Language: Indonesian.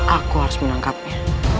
aku harus menangkapnya